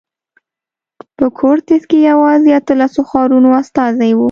په کورتس کې یوازې اتلسو ښارونو استازي وو.